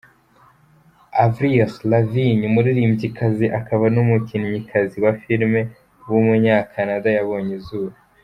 Avril Lavigne, umuririmbyikazi, akaba n’umukinnyikazi wa film w’umunyacanada yabonye izuba.